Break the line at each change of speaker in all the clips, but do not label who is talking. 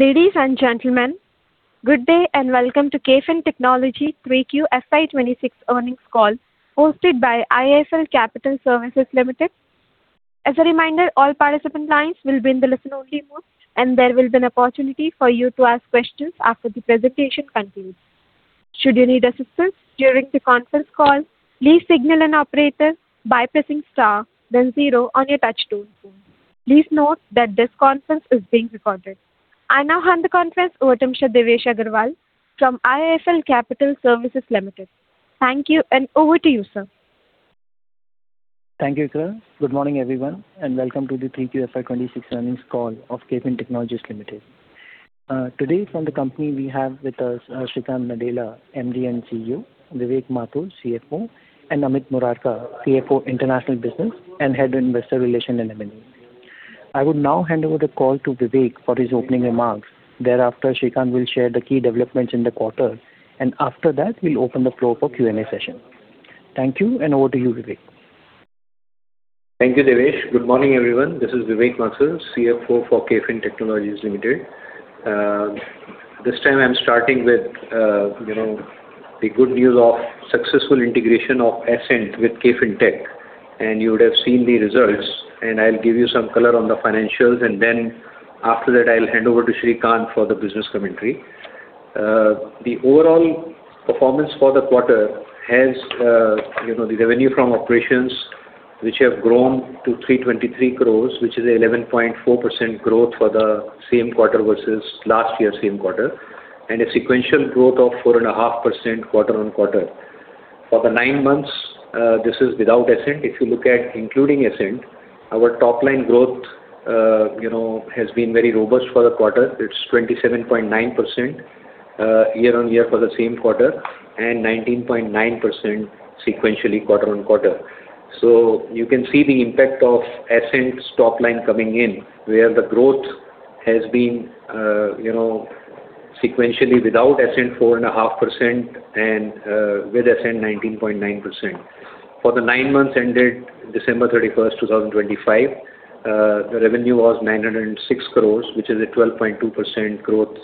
Ladies and gentlemen, good day, and welcome to KFin Technologies 3Q FY2026 earnings call, hosted by IIFL Capital Services Limited. As a reminder, all participant lines will be in the listen-only mode, and there will be an opportunity for you to ask questions after the presentation concludes. Should you need assistance during the conference call, please signal an operator by pressing star then zero on your touch-tone phone. Please note that this conference is being recorded. I now hand the conference over to Mr. Devesh Agarwal from IIFL Capital Services Limited. Thank you, and over to you, sir.
Thank you, Ekta. Good morning, everyone, and welcome to the 3Q FY 2026 earnings call of KFin Technologies Limited. Today from the company, we have with us Sreekanth Nadella, MD and CEO; Vivek Mathur, CFO; and Amit Murarka, CFO, International Business, and Head of Investor Relations and M&A. I would now hand over the call to Vivek for his opening remarks. Thereafter, Sreekanth will share the key developments in the quarter, and after that, we'll open the floor for Q&A session. Thank you, and over to you, Vivek.
Thank you, Devesh. Good morning, everyone. This is Vivek Mathur, CFO for KFin Technologies Limited. This time I'm starting with, you know, the good news of successful integration of Ascent with KFintech, and you would have seen the results, and I'll give you some color on the financials, and then after that, I'll hand over to Sreekanth for the business commentary. The overall performance for the quarter has, you know, the revenue from operations, which have grown to 323 crore, which is 11.4% growth for the same quarter versus last year same quarter, and a sequential growth of 4.5% quarter-on-quarter. For the nine months, this is without Ascent. If you look at including Ascent, our top line growth, you know, has been very robust for the quarter. It's 27.9%, year-on-year for the same quarter and 19.9% sequentially quarter-on-quarter. So you can see the impact of Ascent's top line coming in, where the growth has been, you know, sequentially without Ascent, 4.5% and, with Ascent, 19.9%. For the nine months ended December 31, 2025, the revenue was 906 crore, which is a 12.2% growth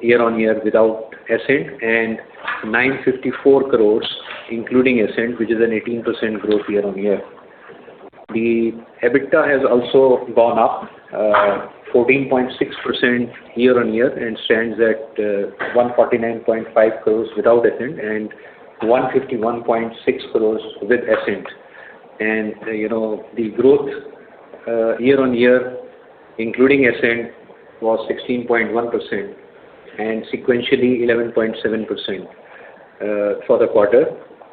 year-on-year without Ascent, and 954 crore, including Ascent, which is an 18% growth year-on-year. The EBITDA has also gone up, 14.6% year-on-year and stands at, 149.5 crore without Ascent and 151.6 crore with Ascent. You know, the growth year-on-year, including Ascent, was 16.1% and sequentially 11.7% for the quarter.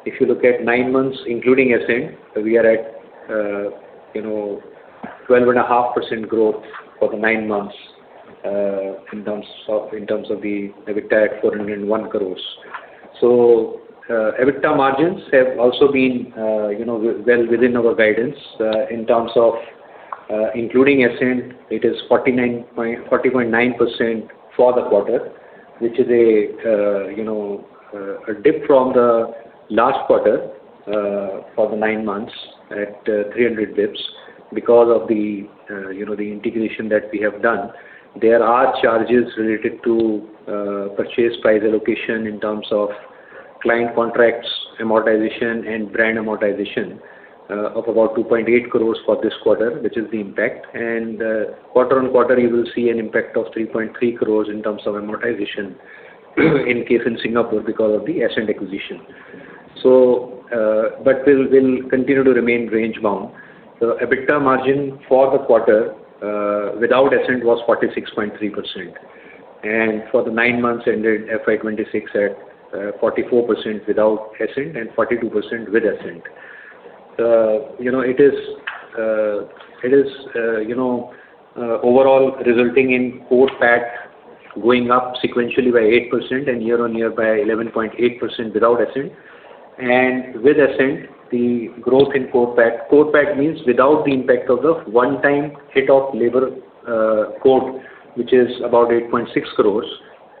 If you look at nine months, including Ascent, we are at, you know, 12.5% growth for the nine months in terms of the EBITDA at 401 crore. So, EBITDA margins have also been, you know, well within our guidance in terms of including Ascent, it is 40.9% for the quarter, which is a, you know, a dip from the last quarter for the nine months at 300 basis points because of the, you know, the integration that we have done. There are charges related to purchase price allocation in terms of client contracts, amortization, and brand amortization of about 2.8 crore for this quarter, which is the impact. Quarter-on-quarter, you will see an impact of 3.3 crore in terms of amortization in case in Singapore because of the Ascent acquisition. But we'll continue to remain range-bound. The EBITDA margin for the quarter without Ascent was 46.3%, and for the nine months ended FY 2026 at 44% without Ascent and 42% with Ascent. You know, it is overall resulting in core PAT going up sequentially by 8% and year-on-year by 11.8% without Ascent. With Ascent, the growth in core PAT-core PAT means without the impact of the one-time hit of Labour Code, which is about 8.6 crore,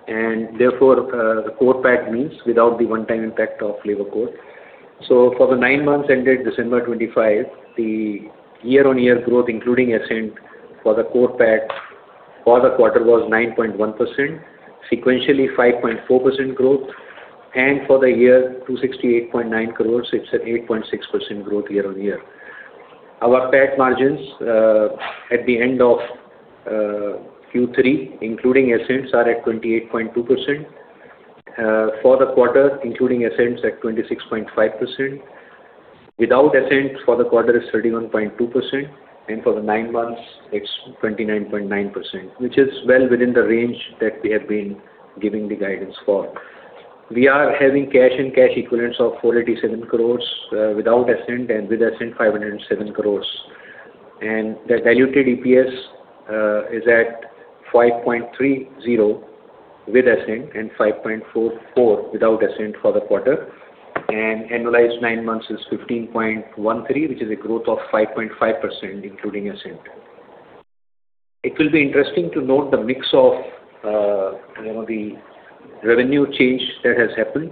and therefore, the core PAT means without the one-time impact of Labour Code. So for the nine months ended December 25, the year-on-year growth, including Ascent, for the core PAT for the quarter was 9.1%, sequentially 5.4% growth, and for the year, 268.9 crore, it's at 8.6% growth year-on-year. Our PAT margins at the end of Q3, including Ascent, are at 28.2%. For the quarter, including Ascent, is at 26.5%. Without Ascent, for the quarter is 31.2%, and for the nine months, it's 29.9%, which is well within the range that we have been giving the guidance for. We are having cash and cash equivalents of 487 crore without Ascent, and with Ascent, 507 crore. And the diluted EPS is at 5.30 with Ascent and 5.44 without Ascent for the quarter. And annualized nine months is 15.13, which is a growth of 5.5%, including Ascent. It will be interesting to note the mix of, you know, the revenue change that has happened.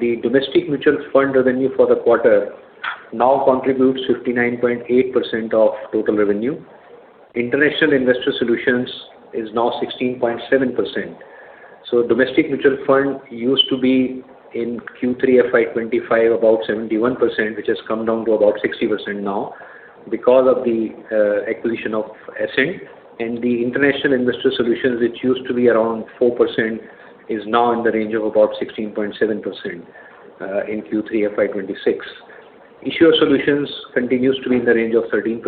The domestic mutual fund revenue for the quarter now contributes 59.8% of total revenue. International Investor Solutions is now 16.7%. So domestic mutual fund used to be in Q3 FY 2025, about 71%, which has come down to about 60% now because of the acquisition of Ascent. And the International Investor Solutions, which used to be around 4%, is now in the range of about 16.7% in Q3 FY 2026. Issuer Solutions continues to be in the range of 13%.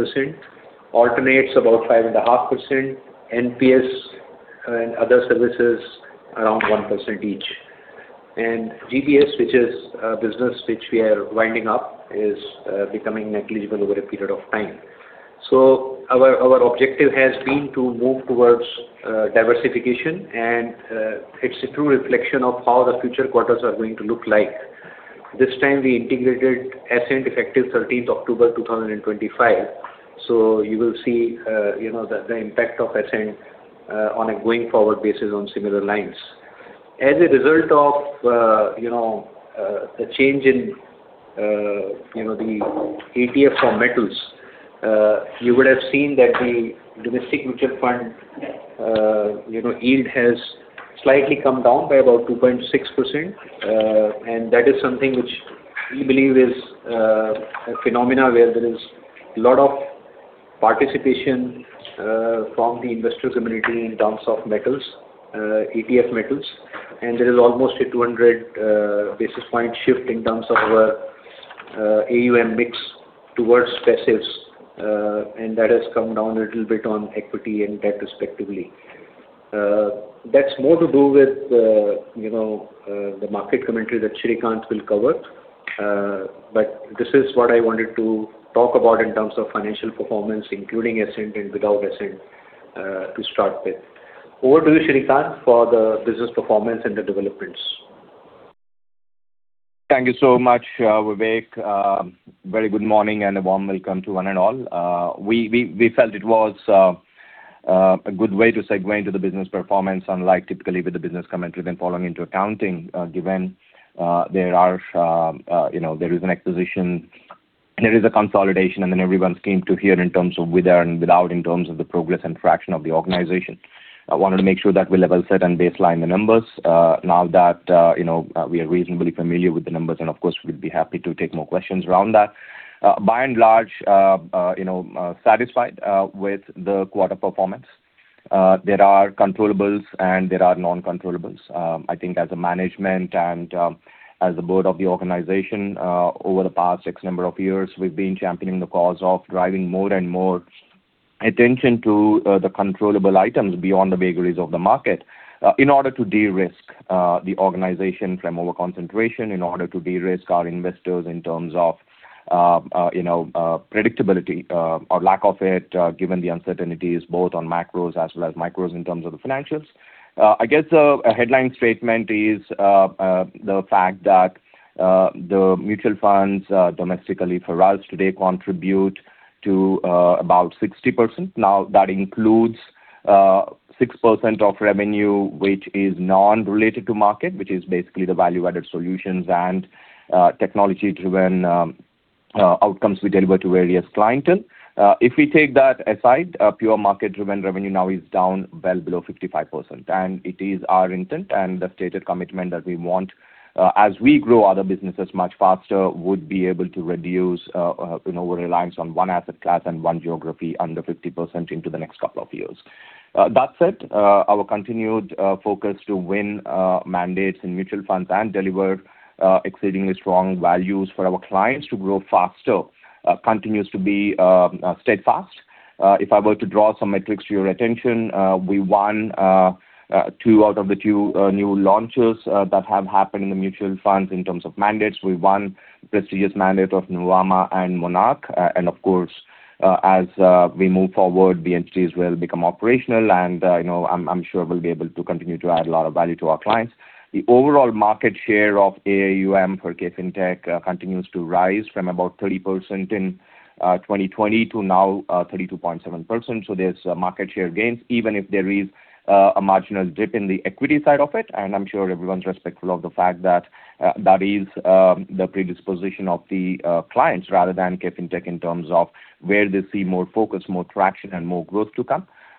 Alternates about 5.5%. NPS and other services around 1% each. And GBS, which is a business which we are winding up, is becoming negligible over a period of time. So our objective has been to move towards diversification, and it's a true reflection of how the future quarters are going to look like. This time we integrated Ascent, effective 13 October 2025, so you will see, you know, the impact of Ascent, on a going forward basis on similar lines. As a result of, you know, the change in, you know, the ETF for metals, you would have seen that the domestic mutual fund, you know, yield has slightly come down by about 2.6%. And that is something which we believe is, a phenomena where there is a lot of participation, from the investor community in terms of metals, ETF metals. And there is almost a 200 basis point shift in terms of, AUM mix towards passives, and that has come down a little bit on equity and debt, respectively. That's more to do with, you know, the market commentary that Sreekanth will cover. But this is what I wanted to talk about in terms of financial performance, including Ascent and without Ascent, to start with. Over to you, Sreekanth, for the business performance and the developments.
Thank you so much, Vivek. Very good morning, and a warm welcome to one and all. We felt it was a good way to segue into the business performance, unlike typically with the business commentary, then falling into accounting. Given there are, you know, there is an acquisition, there is a consolidation, and then everyone's keen to hear in terms of with and without in terms of the progress and traction of the organization. I wanted to make sure that we level set and baseline the numbers, now that, you know, we are reasonably familiar with the numbers, and of course, we'd be happy to take more questions around that. By and large, you know, satisfied with the quarter performance. There are controllables and there are non-controllables. I think as a management and, as a board of the organization, over the past X number of years, we've been championing the cause of driving more and more attention to, the controllable items beyond the vagaries of the market, in order to de-risk, the organization from overconcentration, in order to de-risk our investors in terms of, you know, predictability, or lack of it, given the uncertainties both on macros as well as micros in terms of the financials. I guess, a headline statement is, the fact that, the mutual funds, domestically for us today contribute to, about 60%. Now, that includes, 6% of revenue, which is non-related to market, which is basically the value-added solutions and, technology-driven, outcomes we deliver to various clientele. If we take that aside, pure market-driven revenue now is down well below 55%, and it is our intent and the stated commitment that we want, as we grow other businesses much faster, would be able to reduce, you know, reliance on one asset class and one geography under 50% into the next couple of years. That said, our continued focus to win mandates in mutual funds and deliver exceedingly strong values for our clients to grow faster continues to be steadfast. If I were to draw some metrics to your attention, we won two out of the two new launches that have happened in the mutual funds in terms of mandates. We won prestigious mandate of Nuvama and Monarch. And of course, as we move forward, Bajaj as well become operational and, you know, I'm sure we'll be able to continue to add a lot of value to our clients. The overall market share of AUM for KFintech continues to rise from about 30% in 2020 to now 32.7%. So there's market share gains, even if there is a marginal dip in the equity side of it. And I'm sure everyone's respectful of the fact that that is the predisposition of the clients, rather than KFintech in terms of where they see more focus, more traction, and more growth to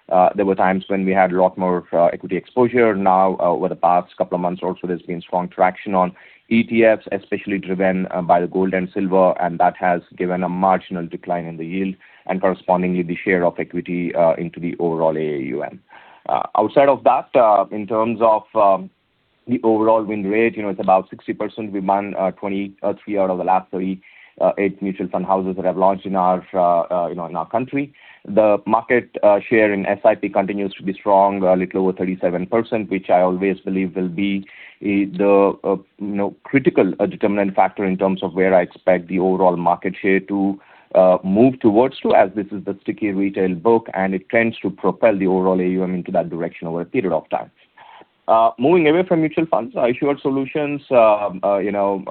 come. There were times when we had a lot more equity exposure. Now, over the past couple of months or so, there's been strong traction on ETFs, especially driven by the gold and silver, and that has given a marginal decline in the yield and correspondingly the share of equity into the overall AUM. Outside of that, in terms of the overall win rate, you know, it's about 60%. We won 23 out of the last 38 mutual fund houses that have launched in our, you know, in our country. The market share in SIP continues to be strong, a little over 37%, which I always believe will be the you know, critical determinant factor in terms of where I expect the overall market share to move towards to, as this is the sticky retail book, and it tends to propel the overall AUM into that direction over a period of time. Moving away from mutual funds, Issuer Solutions and also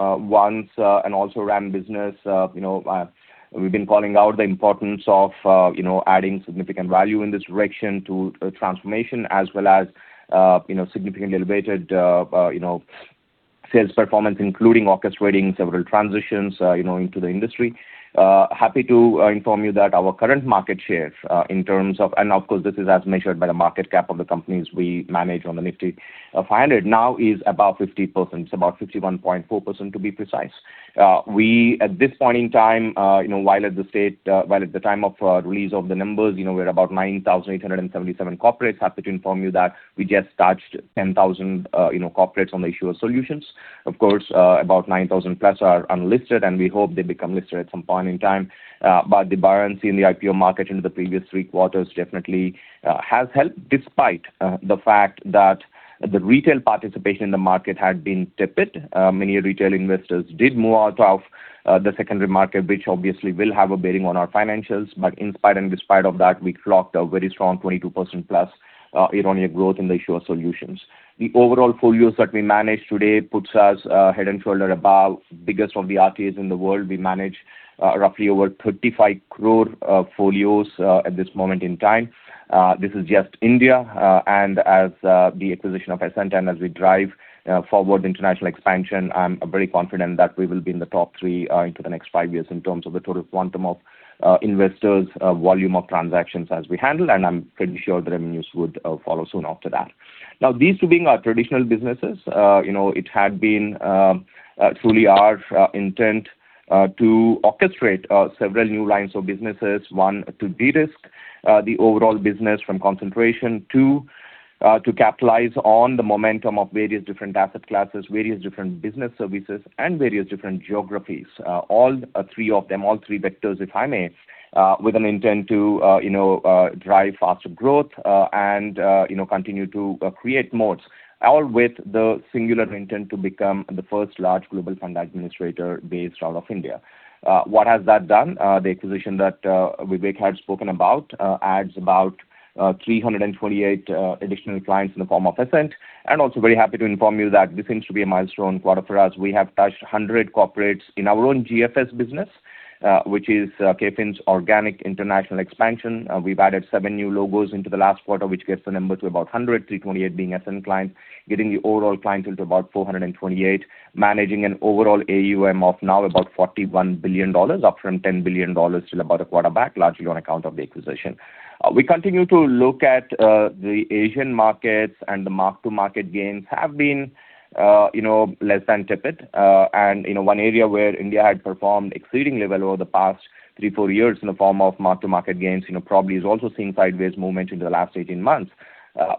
RTA business, you know, we've been calling out the importance of you know, adding significant value in this direction to transformation as well as you know, significantly elevated sales performance, including orchestrating several transitions you know, into the industry. Happy to inform you that our current market share, in terms of and of course, this is as measured by the market cap of the companies we manage on the Nifty 500 now is about 50%. It's about 51.4%, to be precise. We, at this point in time, you know, while at the time of release of the numbers, you know, we're about 9,877 corporates. Happy to inform you that we just touched 10,000, you know, corporates on the issuer solutions. Of course, about 9,000 plus are unlisted, and we hope they become listed at some point in time. But the buoyancy in the IPO market into the previous three quarters definitely has helped, despite the fact that the retail participation in the market had been tepid. Many retail investors did move out of the secondary market, which obviously will have a bearing on our financials. But in spite and despite of that, we clocked a very strong 22% plus year-on-year growth in the issuer solutions. The overall folios that we manage today puts us head and shoulder above biggest of the RTAs in the world. We manage roughly over 35 crore folios at this moment in time. This is just India. And as the acquisition of Ascent and as we drive forward international expansion, I'm very confident that we will be in the top three into the next five years in terms of the total quantum of investors volume of transactions as we handle, and I'm pretty sure the revenues would follow soon after that. Now, these two being our traditional businesses, you know, it had been truly our intent to orchestrate several new lines of businesses. One, to de-risk the overall business from concentration. Two, to capitalize on the momentum of various different asset classes, various different business services, and various different geographies. All three of them, all three vectors, if I may, with an intent to, you know, drive faster growth, and, you know, continue to, create moat, all with the singular intent to become the first large global fund administrator based out of India. What has that done? The acquisition that Vivek had spoken about adds about 328 additional clients in the form of Ascent. And also very happy to inform you that this seems to be a milestone quarter for us. We have touched 100 corporates in our own GFS business, which is KFin's organic international expansion. We've added seven new logos in the last quarter, which gets the number to about 100, 328 being Ascent clients, getting the overall clients to about 428, managing an overall AUM of now about $41 billion, up from $10 billion till about a quarter back, largely on account of the acquisition. We continue to look at the Asian markets, and the mark-to-market gains have been, you know, less than tepid. You know, one area where India had performed exceedingly well over the past three-four years in the form of mark-to-market gains, you know, probably is also seeing sideways movement in the last 18 months.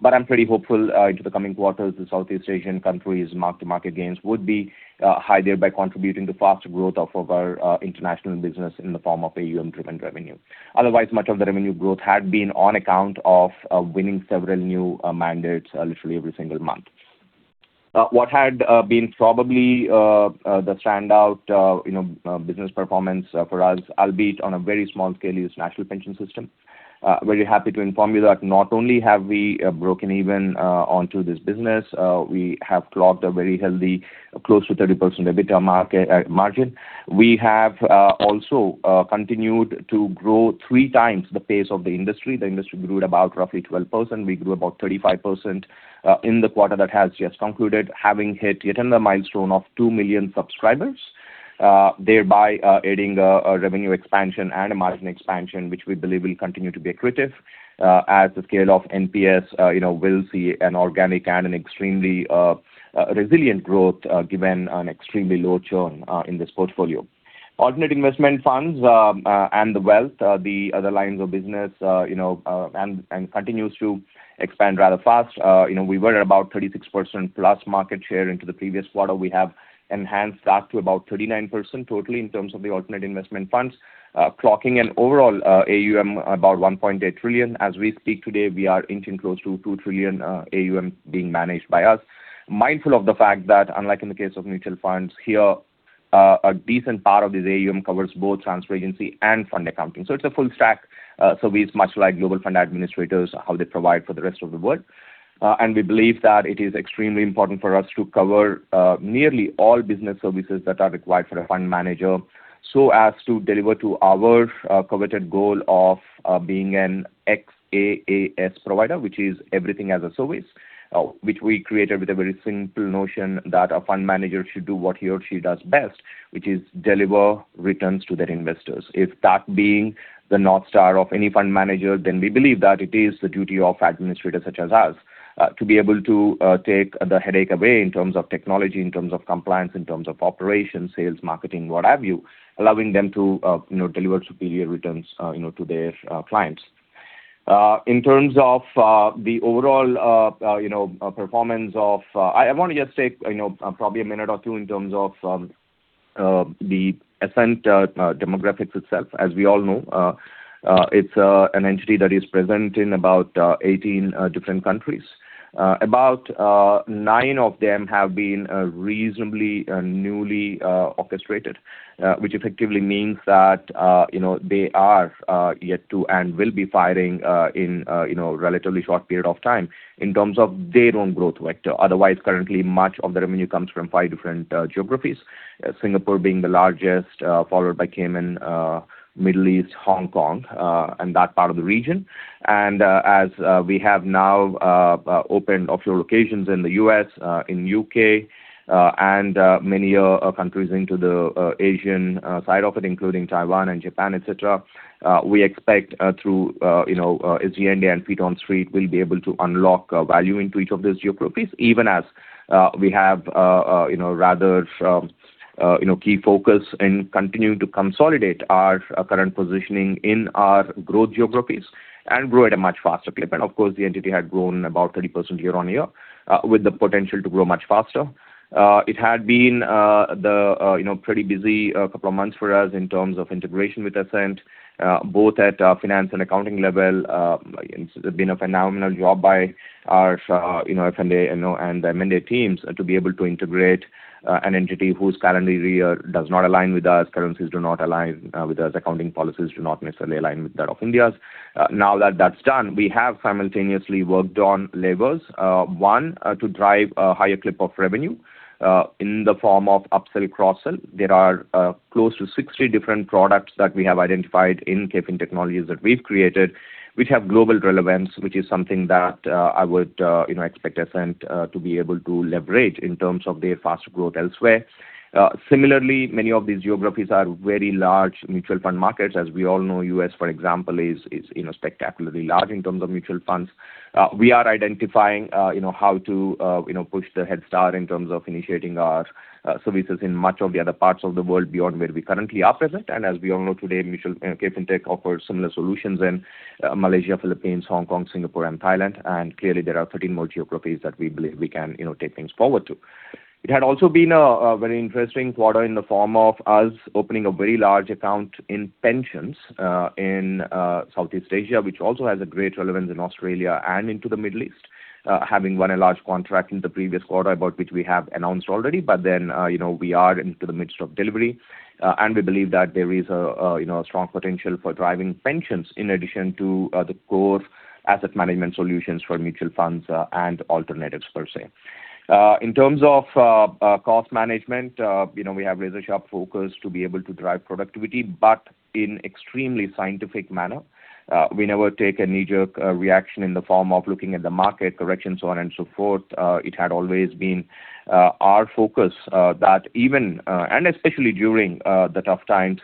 But I'm pretty hopeful, into the coming quarters, the Southeast Asian countries' mark-to-market gains would be higher by contributing to faster growth of our international business in the form of AUM-driven revenue. Otherwise, much of the revenue growth had been on account of winning several new mandates literally every single month. What had been probably the standout, you know, business performance for us, albeit on a very small scale, is National Pension System. Very happy to inform you that not only have we broken even on this business, we have clocked a very healthy, close to 30% EBITDA margin. We have also continued to grow 3x the pace of the industry. The industry grew at about roughly 12%. We grew about 35% in the quarter that has just concluded, having hit yet another milestone of 2 million subscribers, thereby adding a revenue expansion and a margin expansion, which we believe will continue to be accretive as the scale of NPS you know will see an organic and an extremely resilient growth given an extremely low churn in this portfolio. Alternative investment funds and the wealth the other lines of business you know and continues to expand rather fast. You know, we were at about 36%+ market share into the previous quarter. We have enhanced that to about 39% totally in terms of the alternative investment funds. Clocking an overall AUM about 1.8 trillion. As we speak today, we are inching close to 2 trillion AUM being managed by us. Mindful of the fact that unlike in the case of mutual funds, here, a decent part of this AUM covers both transfer agency and fund accounting. So it's a full stack, service, much like global fund administrators, how they provide for the rest of the world. And we believe that it is extremely important for us to cover, nearly all business services that are required for a fund manager, so as to deliver to our, coveted goal of, being an XaaS provider, which is everything as a service. Which we created with a very simple notion that a fund manager should do what he or she does best, which is deliver returns to their investors. If that being the North Star of any fund manager, then we believe that it is the duty of administrators such as us, to be able to take the headache away in terms of technology, in terms of compliance, in terms of operations, sales, marketing, what have you, allowing them to, you know, deliver superior returns, you know, to their clients. In terms of the overall, you know, performance of. I want to just take, you know, probably a minute or two in terms of the Ascent demographics itself. As we all know, it's an entity that is present in about 18 different countries. About nine of them have been reasonably newly orchestrated. Which effectively means that, you know, they are yet to and will be fighting, you know, in a relatively short period of time in terms of their own growth vector. Otherwise, currently, much of the revenue comes from five different geographies. Singapore being the largest, followed by Cayman, Middle East, Hong Kong, and that part of the region. And, as we have now opened offshore locations in the U.S., in U.K., and many countries into the Asian side of it, including Taiwan and Japan, etc. We expect, through, you know, as the Indian feet on street, we'll be able to unlock value into each of these geographies, even as, we have, you know, rather, you know, key focus in continuing to consolidate our current positioning in our growth geographies and grow at a much faster clip. And of course, the entity had grown about 30% year-on-year, with the potential to grow much faster. It had been, the, you know, pretty busy couple of months for us in terms of integration with Ascent, both at, finance and accounting level. It's been a phenomenal job by our, you know, F&A, you know, and the M&A teams to be able to integrate, an entity whose calendar year does not align with us. Currencies do not align with us. Accounting policies do not necessarily align with that of India's. Now that that's done, we have simultaneously worked on labels. One, to drive a higher clip of revenue in the form of upsell, cross-sell. There are close to 60 different products that we have identified in KFin Technologies that we've created, which have global relevance, which is something that I would you know expect Ascent to be able to leverage in terms of their faster growth elsewhere. Similarly, many of these geographies are very large mutual fund markets. As we all know, U.S., for example, is you know spectacularly large in terms of mutual funds. We are identifying, you know, how to, you know, push the head start in terms of initiating our services in much of the other parts of the world beyond where we currently are present. And as we all know today, KFintech offers similar solutions in Malaysia, Philippines, Hong Kong, Singapore, and Thailand. And clearly, there are 13 more geographies that we believe we can, you know, take things forward to. It had also been a very interesting quarter in the form of us opening a very large account in pensions in Southeast Asia, which also has a great relevance in Australia and into the Middle East. Having won a large contract in the previous quarter, about which we have announced already, but then, you know, we are into the midst of delivery, and we believe that there is a, you know, a strong potential for driving pensions in addition to, the core asset management solutions for mutual funds, and alternatives per se. In terms of, cost management, you know, we have razor-sharp focus to be able to drive productivity, but in extremely scientific manner. We never take a knee-jerk, reaction in the form of looking at the market correction, so on and so forth. It had always been our focus that even and especially during the tough times,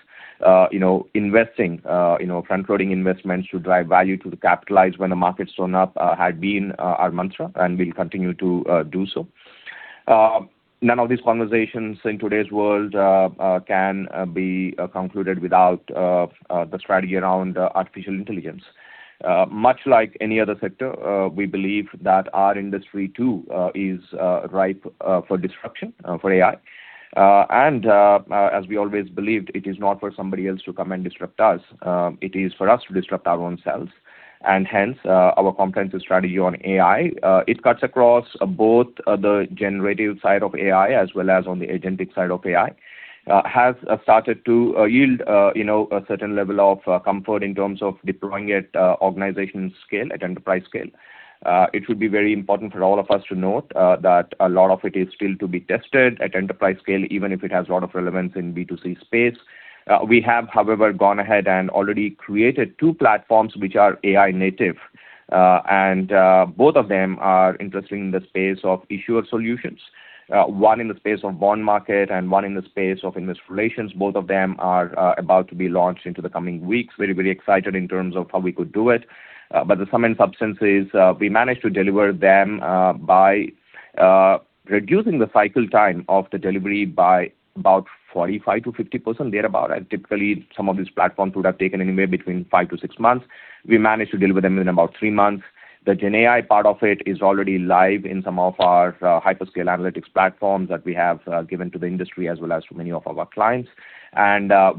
you know, investing, you know, front-loading investments to drive value to capitalize when the market's down, had been our mantra, and we'll continue to do so. None of these conversations in today's world can be concluded without the strategy around artificial intelligence. Much like any other sector, we believe that our industry, too, is ripe for disruption for AI. And as we always believed, it is not for somebody else to come and disrupt us. It is for us to disrupt our own selves, and hence, our comprehensive strategy on AI. It cuts across both the generative side of AI as well as on the agentic side of AI and has started to yield, you know, a certain level of comfort in terms of deploying it organization scale, at enterprise scale. It would be very important for all of us to note that a lot of it is still to be tested at enterprise scale, even if it has a lot of relevance in B2C space. We have, however, gone ahead and already created two platforms, which are AI native, and both of them are interesting in the space of Issuer solutions. One in the space of bond market and one in the space of investor relations. Both of them are about to be launched into the coming weeks. Very, very excited in terms of how we could do it. But the sum and substance is, we managed to deliver them by reducing the cycle time of the delivery by about 45%-50%, thereabout. Typically some of these platforms would have taken anywhere between 5-6 months. We managed to deliver them in about three months. The Gen AI part of it is already live in some of our hyperscale analytics platforms that we have given to the industry, as well as many of our clients.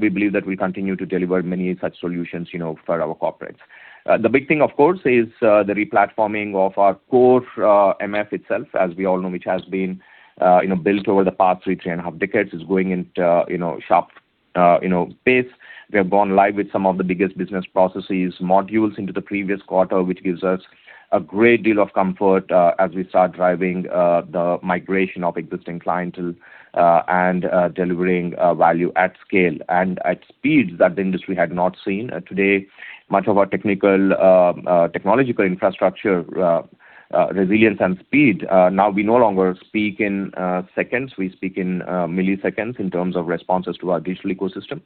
We believe that we continue to deliver many such solutions, you know, for our corporates. The big thing, of course, is the replatforming of our core MF itself, as we all know, which has been, you know, built over the past three, 3.5 decades, is going into, you know, sharp pace. We have gone live with some of the biggest business processes, modules into the previous quarter, which gives us a great deal of comfort as we start driving the migration of existing clientele and delivering value at scale and at speeds that the industry had not seen. Today, much of our technical technological infrastructure resilience and speed, now we no longer speak in seconds, we speak in milliseconds in terms of responses to our digital ecosystem.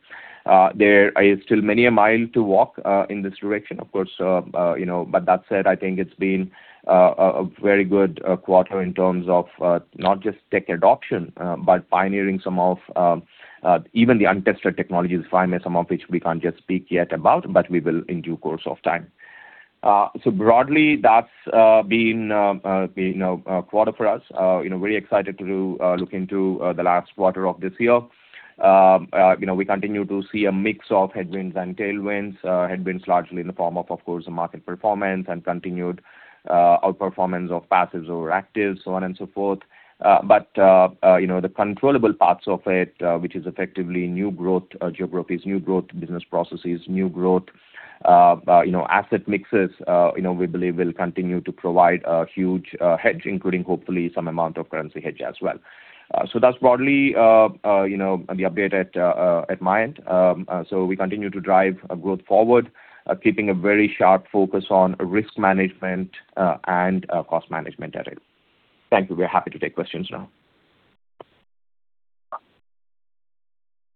There is still many a mile to walk in this direction. Of course, you know, but that said, I think it's been a very good quarter in terms of not just tech adoption, but pioneering some of even the untested technologies, finally, some of which we can't just speak yet about, but we will in due course of time. So broadly, that's been you know, a quarter for us. You know, very excited to look into the last quarter of this year. You know, we continue to see a mix of headwinds and tailwinds. Headwinds largely in the form of, of course, the market performance and continued outperformance of passives over actives, so on and so forth. But, you know, the controllable parts of it, which is effectively new growth, geographies, new growth, business processes, new growth, you know, asset mixes, you know, we believe will continue to provide a huge hedge, including hopefully some amount of currency hedge as well. So that's broadly, you know, the update at my end. So we continue to drive our growth forward, keeping a very sharp focus on risk management, and cost management at it. Thank you. We're happy to take questions now.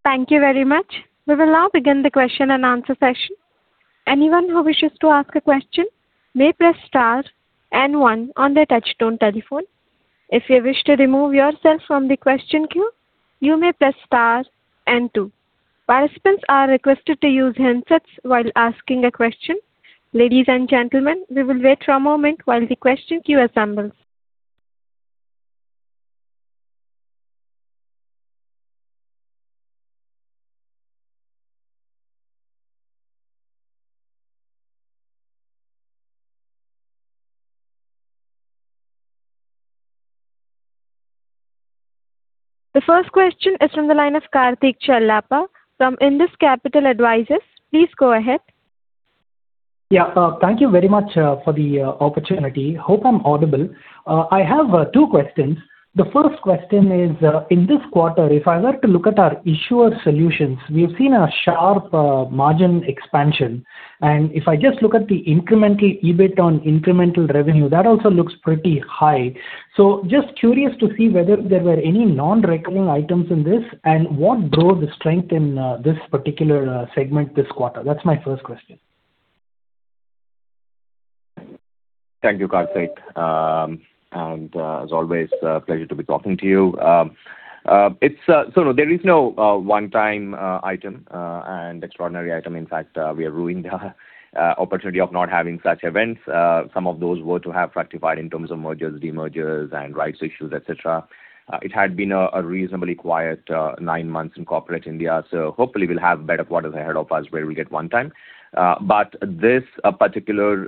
Thank you very much. We will now begin the question and answer session. Anyone who wishes to ask a question may press star and one on their touchtone telephone. If you wish to remove yourself from the question queue, you may press star and two. Participants are requested to use handsets while asking a question. Ladies and gentlemen, we will wait for a moment while the question queue assembles. The first question is from the line of Karthik Chellappa from Indus Capital Advisors. Please go ahead.
Yeah. Thank you very much for the opportunity. Hope I'm audible. I have two questions. The first question is, in this quarter, if I were to look at our Issuer Solutions, we've seen a sharp margin expansion. And if I just look at the incremental EBIT on incremental revenue, that also looks pretty high. So just curious to see whether there were any non-recurring items in this, and what drove the strength in this particular segment this quarter? That's my first question.
Thank you, Karthik. And as always, pleasure to be talking to you. So there is no one-time item and extraordinary item. In fact, we are ruing the opportunity of not having such events. Some of those were to have fructified in terms of mergers, demergers, and rights issues, et cetera. It had been a reasonably quiet nine months in corporate India, so hopefully we'll have better quarters ahead of us where we get one time. But this particular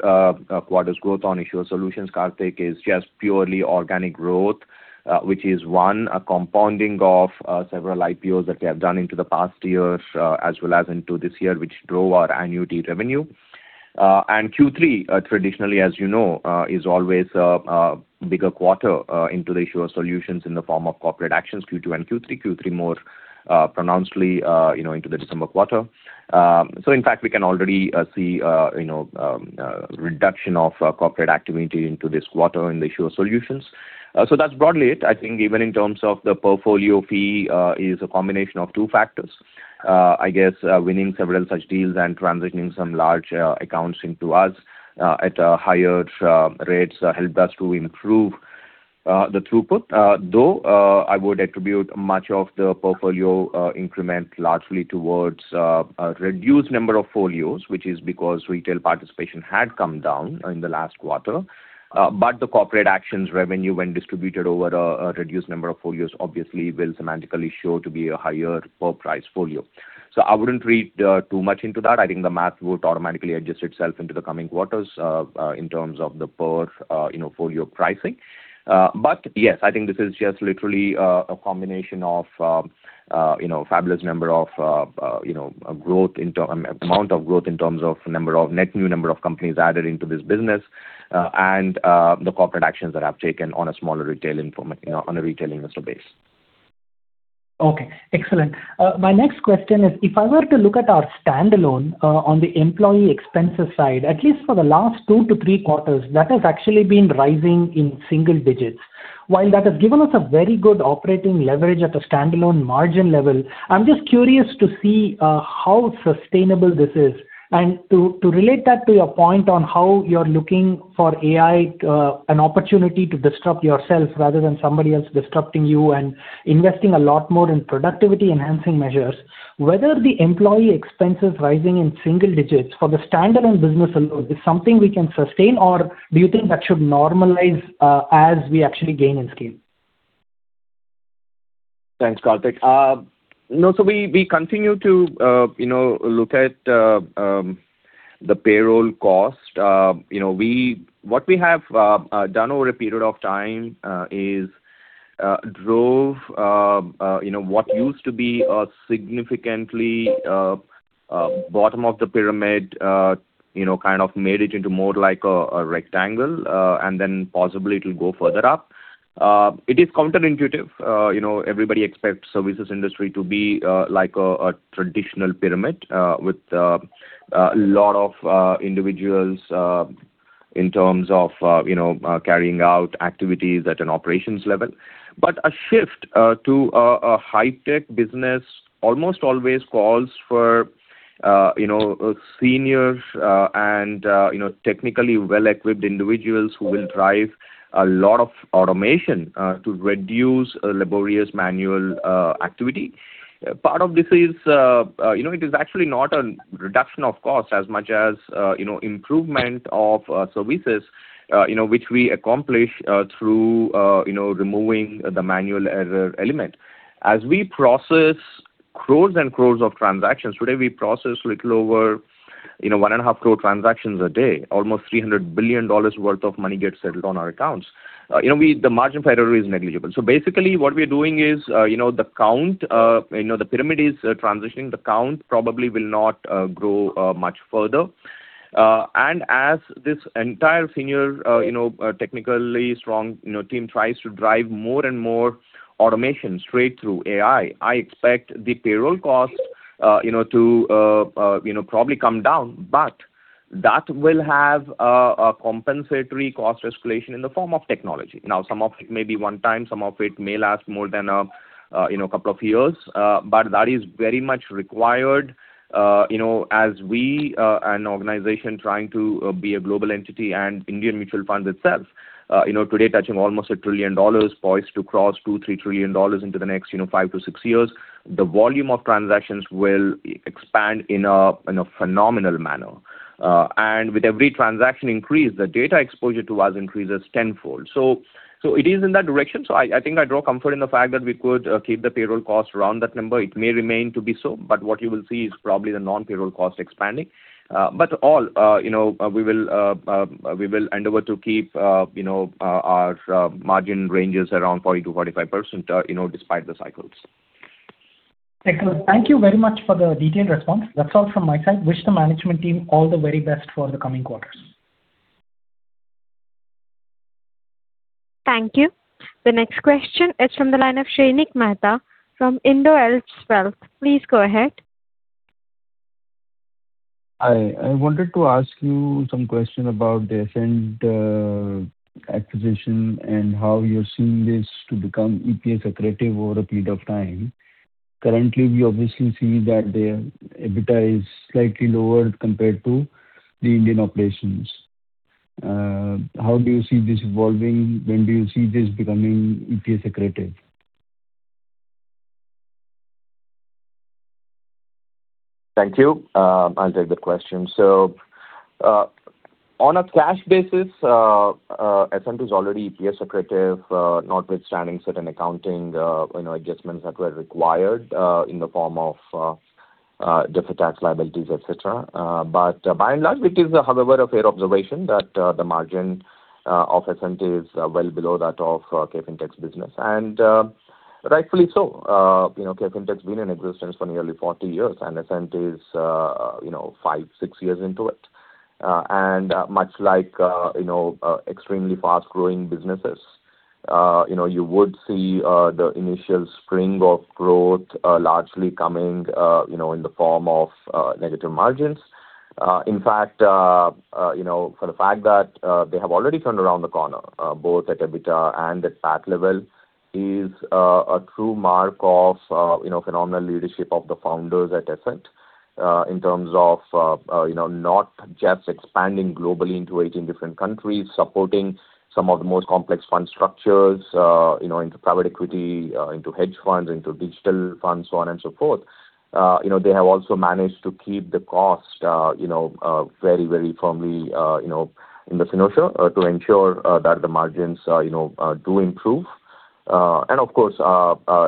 quarter's growth on Issuer Solutions, Karthik, is just purely organic growth, which is, one, a compounding of several IPOs that we have done in the past year, as well as in this year, which drove our annuity revenue. Q3 traditionally, as you know, is always a bigger quarter into the Issuer solutions in the form of corporate actions, Q2 and Q3. Q3 more pronouncedly, you know, into the December quarter. So in fact, we can already see, you know, reduction of corporate activity into this quarter in the Issuer solutions. So that's broadly it. I think even in terms of the portfolio fee is a combination of two factors. I guess winning several such deals and transitioning some large accounts into us at higher rates helped us to improve the throughput. Though I would attribute much of the portfolio increment largely towards a reduced number of folios, which is because retail participation had come down in the last quarter. But the corporate actions revenue, when distributed over a reduced number of folios, obviously will semantically show to be a higher per price folio. So I wouldn't read too much into that. I think the math would automatically adjust itself into the coming quarters, in terms of the per, you know, folio pricing. But yes, I think this is just literally a combination of, you know, fabulous number of, you know, a growth in amount of growth in terms of number of net new number of companies added into this business, and the corporate actions that are taken on a smaller retail, you know, on a retail investor base.
Okay, excellent. My next question is: if I were to look at our standalone, on the employee expenses side, at least for the last two-three quarters, that has actually been rising in single digits. While that has given us a very good operating leverage at a standalone margin level, I'm just curious to see, how sustainable this is. And to, to relate that to your point on how you're looking for AI, an opportunity to disrupt yourself rather than somebody else disrupting you and investing a lot more in productivity-enhancing measures, whether the employee expenses rising in single digits for the standalone business alone is something we can sustain, or do you think that should normalize, as we actually gain in scale?
Thanks, Karthik. No, so we continue to, you know, look at the payroll cost. You know, what we have done over a period of time is drove, you know, what used to be a significantly bottom of the pyramid, you know, kind of made it into more like a rectangle, and then possibly it'll go further up. It is counterintuitive. You know, everybody expects services industry to be like a traditional pyramid with a lot of individuals in terms of, you know, carrying out activities at an operations level. But a shift to a high-tech business almost always calls for you know seniors and you know technically well-equipped individuals who will drive a lot of automation to reduce a laborious manual activity. Part of this is you know it is actually not a reduction of cost as much as you know improvement of services you know which we accomplish through you know removing the manual error element. As we process crore and crore of transactions. Today, we process little over you know 1.5 crore transactions a day. Almost $300 billion worth of money gets settled on our accounts. The margin payroll is negligible. So basically, what we are doing is you know the count you know the pyramid is transitioning. The count probably will not grow much further. And as this entire senior, you know, technically strong, you know, team tries to drive more and more automation straight through AI, I expect the payroll costs, you know, to, you know, probably come down. But that will have a compensatory cost escalation in the form of technology. Now, some of it may be one time, some of it may last more than a, you know, couple of years. But that is very much required, you know, as we, an organization trying to be a global entity and Indian mutual fund itself. You know, today, touching almost $1 trillion, poised to cross $2 trillion-$3 trillion into the next, you know, five-six years. The volume of transactions will expand in a phenomenal manner. And with every transaction increase, the data exposure to us increases tenfold. So, it is in that direction. So I think I draw comfort in the fact that we could keep the payroll costs around that number. It may remain to be so, but what you will see is probably the non-payroll costs expanding. But all, you know, we will, we will endeavor to keep, you know, our margin ranges around 40%-45%, you know, despite the cycles.
Thank you. Thank you very much for the detailed response. That's all from my side. Wish the management team all the very best for the coming quarters.
Thank you. The next question is from the line of Shrenik Mehta from IndoAlps Wealth. Please go ahead.
Hi. I wanted to ask you some question about the Ascent acquisition, and how you're seeing this to become EPS accretive over a period of time. Currently, we obviously see that their EBITDA is slightly lower compared to the Indian operations. How do you see this evolving? When do you see this becoming EPS accretive?
Thank you. I'll take the question. So, on a cash basis, Ascent is already EPS accretive, notwithstanding certain accounting, you know, adjustments that were required, in the form of different tax liabilities, et cetera. But, by and large, it is, however, a fair observation that the margin of Ascent is well below that of KFintech's business, and rightfully so. You know, KFintech's been in existence for nearly 40 years, and Ascent is, you know, five, six years into it. And, much like, you know, extremely fast-growing businesses, you know, you would see the initial spring of growth, largely coming, you know, in the form of negative margins. In fact, you know, for the fact that they have already turned around the corner, both at EBITDA and at PAT level, is a true mark of, you know, phenomenal leadership of the founders at Ascent. In terms of, you know, not just expanding globally into 18 different countries, supporting some of the most complex fund structures, you know, into private equity, into hedge funds, into digital funds, so on and so forth. You know, they have also managed to keep the cost, you know, very, very firmly, you know, in the finisher, to ensure that the margins, you know, do improve. And of course,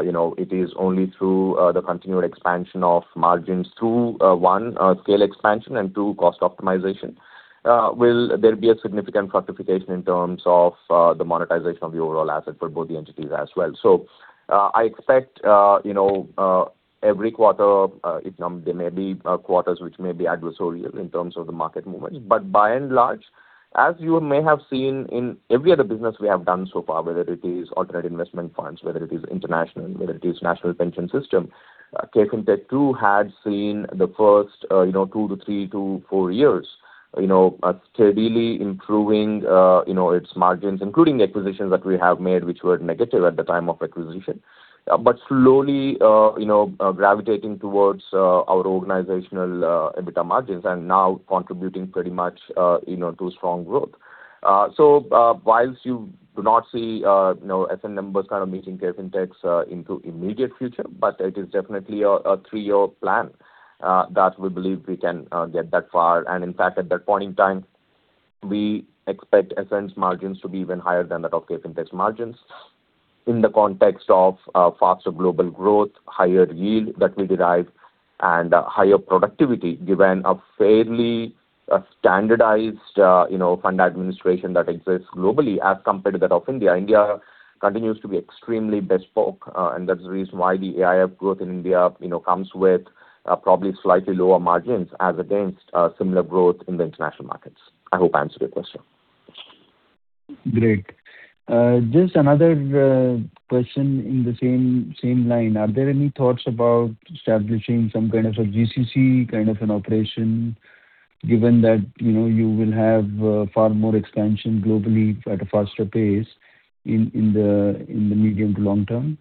you know, it is only through the continued expansion of margins through one, scale expansion, and two, cost optimization, will there be a significant fortification in terms of the monetization of the overall asset for both the entities as well. So, I expect, you know, every quarter, there may be quarters which may be adversarial in terms of the market movements. But by and large, as you may have seen in every other business we have done so far, whether it is alternative investment funds, whether it is international, whether it is national pension system, KFintech too had seen the first, you know, two to three to four years, you know, steadily improving, you know, its margins, including the acquisitions that we have made, which were negative at the time of acquisition. But slowly, you know, gravitating towards our organizational EBITDA margins, and now contributing pretty much, you know, to strong growth. So, while you do not see, you know, Ascent numbers kind of meeting KFintech's into immediate future, but it is definitely a three-year plan that we believe we can get that far. And in fact, at that point in time, we expect Ascent's margins to be even higher than that of KFintech's margins in the context of, faster global growth, higher yield that we derive, and, higher productivity, given a fairly, standardized, you know, fund administration that exists globally as compared to that of India. India continues to be extremely bespoke, and that's the reason why the AIF growth in India, you know, comes with, probably slightly lower margins as against, similar growth in the international markets. I hope I answered your question.
Great. Just another question in the same line. Are there any thoughts about establishing some kind of a GCC, kind of an operation, given that, you know, you will have far more expansion globally at a faster pace in the medium to long term?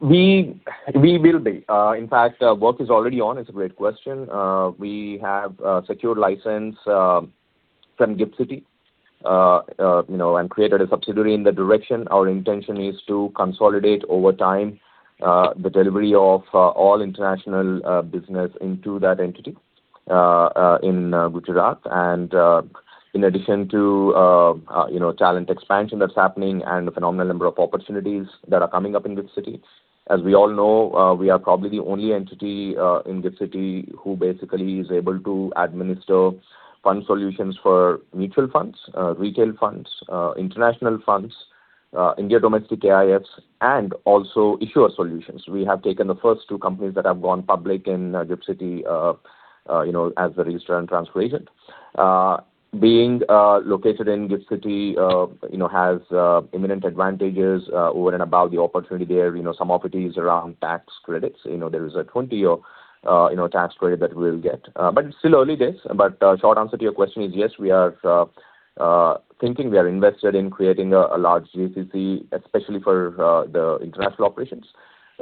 We will be. In fact, work is already on. It's a great question. We have secured license from GIFT City, you know, and created a subsidiary in that direction. Our intention is to consolidate over time the delivery of all international business into that entity in Gujarat. And, in addition to, you know, talent expansion that's happening and a phenomenal number of opportunities that are coming up in this city. As we all know, we are probably the only entity in this city who basically is able to administer fund solutions for mutual funds, retail funds, international funds, India domestic AIFs, and also issuer solutions. We have taken the first two companies that have gone public in GIFT City, you know, as the registrar and transfer agent. Being located in GIFT City, you know, has inherent advantages over and above the opportunity there. You know, some opportunities around tax credits. You know, there is a 20-year tax credit that we'll get. But it's still early days. But short answer to your question is yes, we are thinking. We are invested in creating a large GCC, especially for the international operations.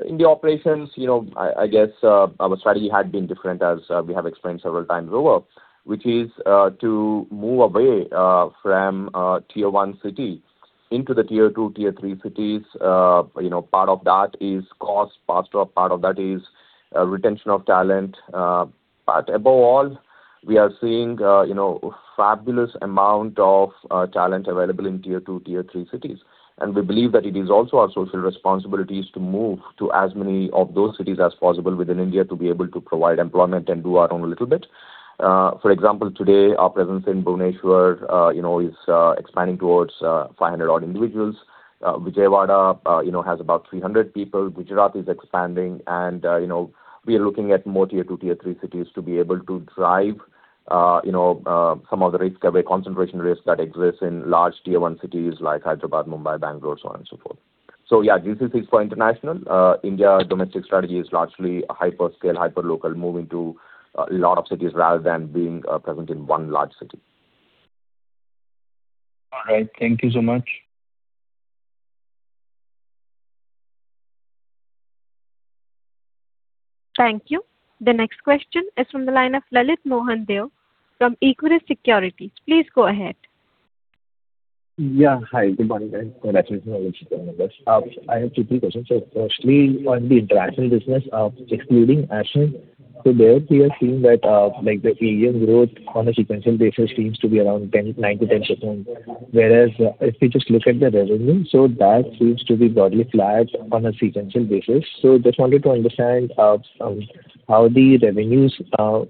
In the operations, you know, I guess our strategy had been different as we have explained several times over, which is to move away from tier-one cities into the tier-two, tier-three cities. You know, part of that is cost, part of, part of that is, retention of talent. But above all, we are seeing, you know, fabulous amount of, talent available in tier two, tier three cities. We believe that it is also our social responsibilities to move to as many of those cities as possible within India, to be able to provide employment and do our own little bit. For example, today, our presence in Bhubaneswar, you know, is, expanding towards, 500-odd individuals. Vijayawada, you know, has about 300 people. Gujarat is expanding, and you know, we are looking at more tier two, tier three cities to be able to drive you know, some of the risk-away concentration risks that exist in large tier one cities like Hyderabad, Mumbai, Bangalore, so on and so forth. So yeah, GCC is for international. India domestic strategy is largely hyperscale, hyperlocal, moving to a lot of cities rather than being present in one large city.
All right. Thank you so much.
Thank you. The next question is from the line of Lalit Mohan Deo from Equirus Securities. Please go ahead.
Yeah. Hi, good morning, and congratulations on your quarter numbers. I have two, three questions. So firstly, on the international business, excluding Ascent, so there we are seeing that, like, the AUM growth on a sequential basis seems to be around 9%-10%. Whereas if we just look at the revenue, so that seems to be broadly flat on a sequential basis. So just wanted to understand how the revenues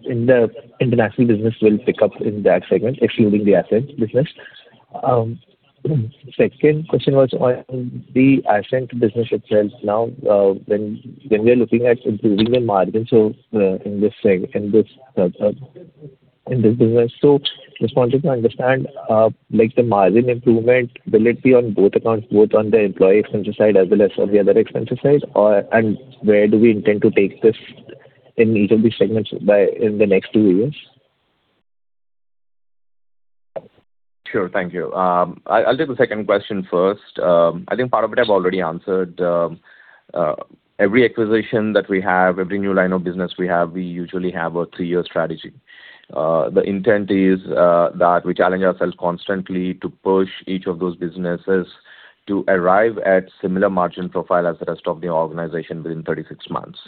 in the international business will pick up in that segment, excluding the Ascent business. Second question was on the Ascent business itself. Now, when we are looking at improving the margins of in this business. Just wanted to understand, like the margin improvement, will it be on both accounts, both on the employee expenses side as well as on the other expenses side? Or, and where do we intend to take this in each of these segments by, in the next two years?
Sure. Thank you. I, I'll take the second question first. I think part of it I've already answered. Every acquisition that we have, every new line of business we have, we usually have a three-year strategy. The intent is, that we challenge ourselves constantly to push each of those businesses to arrive at similar margin profile as the rest of the organization within 36 months.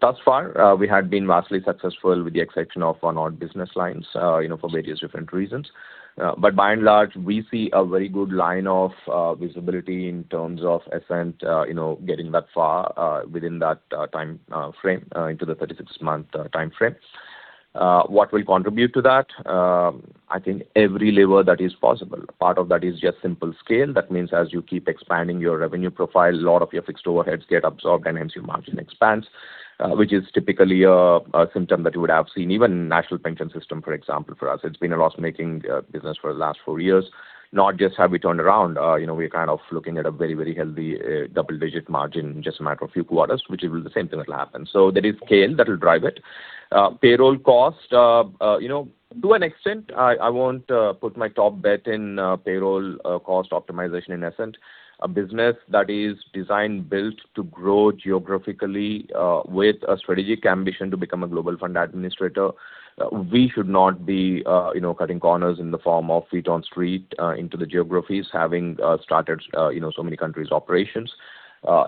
Thus far, we have been vastly successful, with the exception of one odd business lines, you know, for various different reasons. But by and large, we see a very good line of, visibility in terms of Ascent, you know, getting that far, within that, time, frame, into the 36-month, time frame. What will contribute to that? I think every lever that is possible. Part of that is just simple scale. That means as you keep expanding your revenue profile, a lot of your fixed overheads get absorbed, and hence your margin expands. Which is typically a, a symptom that you would have seen. Even National Pension System, for example, for us, it's been a loss-making business for the last four years. Not just have we turned around, you know, we are kind of looking at a very, very healthy double-digit margin in just a matter of a few quarters, which is the same thing that will happen. So there is scale that will drive it. Payroll cost, you know, to an extent, I, I won't put my top bet in payroll cost optimization in Ascent. A business that is designed, built to grow geographically, with a strategic ambition to become a global fund administrator, we should not be, you know, cutting corners in the form of feet on street, into the geographies, having started, you know, so many countries' operations.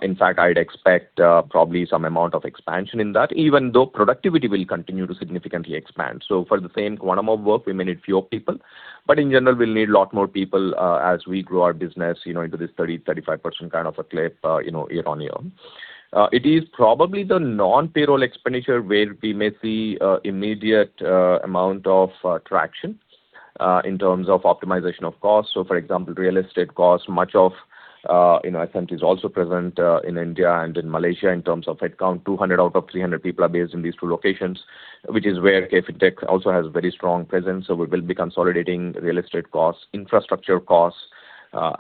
In fact, I'd expect probably some amount of expansion in that, even though productivity will continue to significantly expand. So for the same quantum of work, we may need fewer people, but in general, we'll need a lot more people, as we grow our business, you know, into this 30%-35% kind of a clip, you know, year-on-year. It is probably the non-payroll expenditure where we may see immediate amount of traction in terms of optimization of costs. So for example, real estate costs, much of, you know, Ascent is also present in India and in Malaysia in terms of headcount. 200 out of 300 people are based in these two locations, which is where KFintech also has very strong presence. So we will be consolidating real estate costs, infrastructure costs.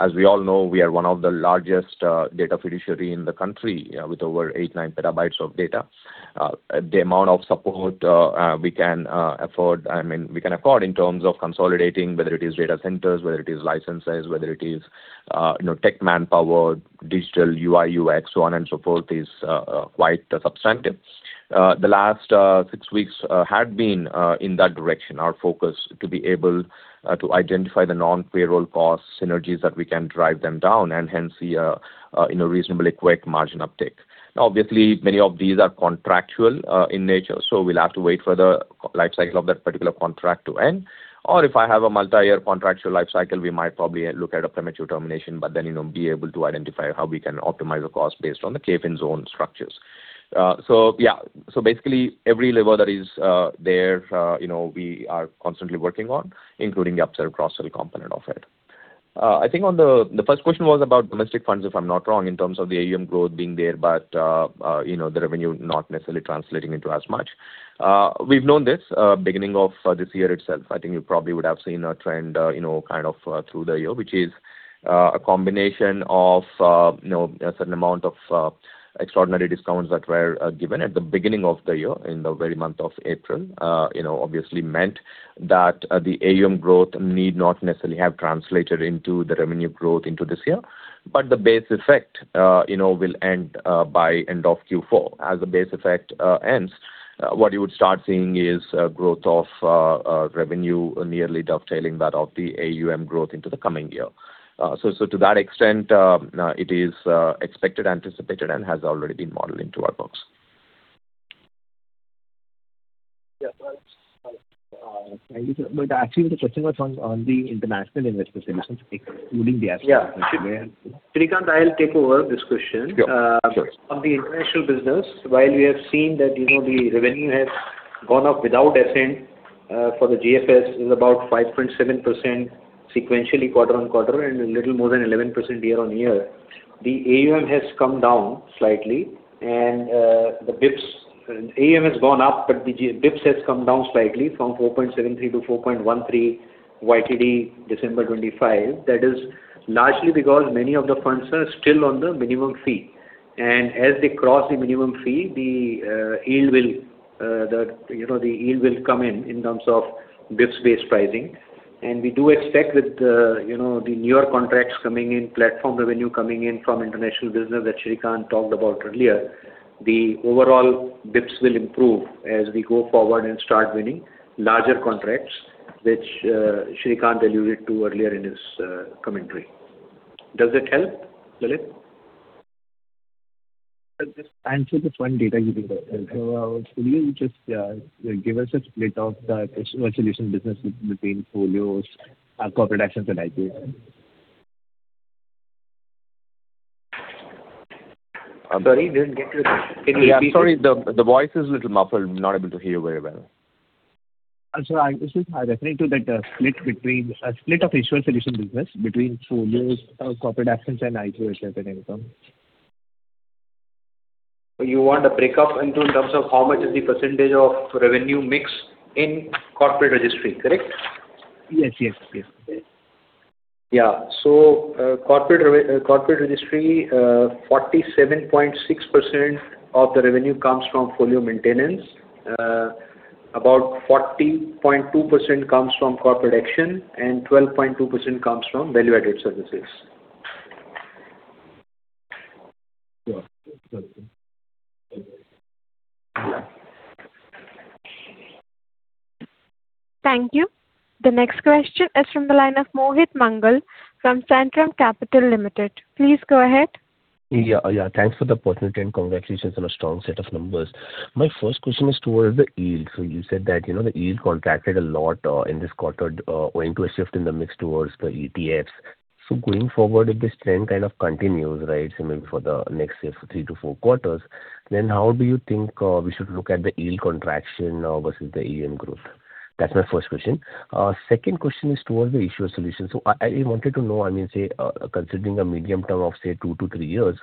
As we all know, we are one of the largest data fiduciary in the country with over 8 PB-9 PB of data. The amount of support we can afford, I mean, we can afford in terms of consolidating, whether it is data centers, whether it is licenses, whether it is, you know, tech manpower, digital UI, UX, so on and so forth, is quite substantive. The last six weeks had been in that direction, our focus to be able to identify the non-payroll costs, synergies that we can drive them down, and hence the, you know, reasonably quick margin uptake. Now, obviously, many of these are contractual in nature, so we'll have to wait for the life cycle of that particular contract to end. Or if I have a multi-year contractual life cycle, we might probably look at a premature termination, but then, you know, be able to identify how we can optimize the cost based on the cave-in zone structures. So yeah. So basically, every lever that is there, you know, we are constantly working on, including the upsell, cross-sell component of it. I think the first question was about domestic funds, if I'm not wrong, in terms of the AUM growth being there, but, you know, the revenue not necessarily translating into as much. We've known this, beginning of this year itself. I think you probably would have seen a trend, you know, kind of, through the year, which is a combination of, you know, a certain amount of extraordinary discounts that were given at the beginning of the year, in the very month of April. You know, obviously meant that the AUM growth need not necessarily have translated into the revenue growth into this year, but the base effect, you know, will end by end of Q4. As the base effect ends, what you would start seeing is a growth of revenue nearly dovetailing that of the AUM growth into the coming year. So, to that extent, it is expected, anticipated, and has already been modeled into our books.
Yeah, thank you, sir. But actually, the question was on the international investment solutions, including the Ascent.
Yeah. Sreekanth, I'll take over this question.
Sure. Sure.
On the international business, while we have seen that, you know, the revenue has gone up without Ascent, for the GFS is about 5.7% sequentially, quarter-on-quarter, and a little more than 11% year-on-year. The AUM has come down slightly, and the bps AUM has gone up, but the bps has come down slightly from 4.73 to 4.13, YTD, December 2025. That is largely because many of the funds are still on the minimum fee. And as they cross the minimum fee, the yield will, the, you know, the yield will come in, in terms of bps-based pricing. We do expect that, you know, the newer contracts coming in, platform revenue coming in from international business that Sreekanth talked about earlier, the overall bps will improve as we go forward and start winning larger contracts, which, Sreekanth alluded to earlier in his, commentary. Does that help, Lalit?
Sir, just answer from the data you gave. So, could you just give us a split of the Issuer Solutions business between folios and corporate actions and IPO?
I'm sorry, we didn't get you. Can you repeat? Yeah, sorry, the voice is a little muffled. I'm not able to hear very well.
So, I refer to that split of issuer solutions business between folios, corporate actions, and IPOs as an income.
You want a breakup in terms of how much is the percentage of revenue mix in corporate registry, correct?
Yes, yes, yes.
Yeah. So, corporate registry, 47.6% of the revenue comes from folio maintenance, about 40.2% comes from corporate action, and 12.2% comes from value-added services.
Yeah. Thank you.
Thank you. The next question is from the line of Mohit Mangal from Centrum Capital Limited. Please go ahead.
Yeah. Yeah, thanks for the opportunity, and congratulations on a strong set of numbers. My first question is towards the yield. So you said that, you know, the yield contracted a lot in this quarter owing to a shift in the mix towards the ETFs. So going forward, if this trend kind of continues, right, so maybe for the next, say, three-four quarters, then how do you think we should look at the yield contraction versus the AUM growth? That's my first question. Second question is towards the issuer solution. So I wanted to know, I mean, say, considering a medium term of, say, two-three years,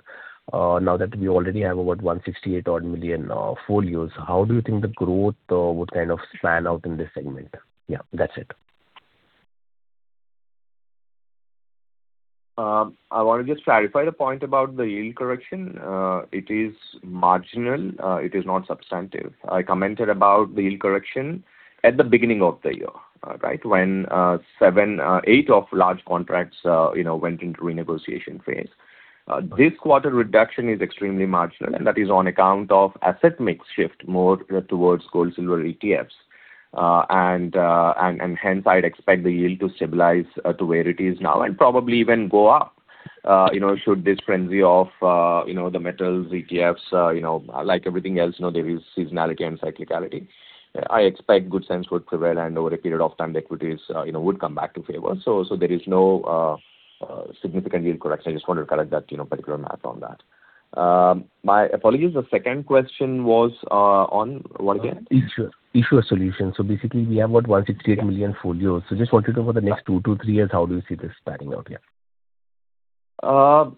now that we already have about 168 odd million folios, how do you think the growth would kind of span out in this segment? Yeah, that's it.
I want to just clarify the point about the yield correction. It is marginal. It is not substantive. I commented about the yield correction at the beginning of the year, right? When seven-eight of large contracts, you know, went into renegotiation phase. This quarter reduction is extremely marginal, and that is on account of asset mix shift more towards gold-silver ETFs. And hence, I'd expect the yield to stabilize to where it is now, and probably even go up. You know, should this frenzy of, you know, the metals, ETFs, you know, like everything else, you know, there is seasonality and cyclicality. I expect good sense would prevail, and over a period of time, the equities, you know, would come back in favor. So there is no significant yield correction. I just want to correct that, you know, particular math on that. My apologies. The second question was on what again?
Issuer solutions. So basically, we have about 168 million folios. So just wanted to know for the next two-three years, how do you see this panning out? Yeah.